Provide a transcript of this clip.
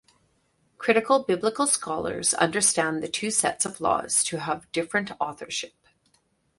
Critical biblical scholars understand the two sets of laws to have different authorship.